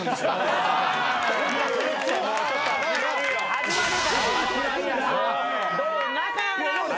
始まるから。